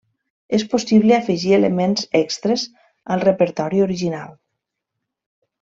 És possible afegir elements extres al repertori original.